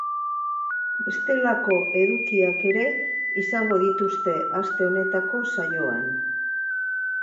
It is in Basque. Bestelako edukiak ere izango dituzte aste honetako saioan.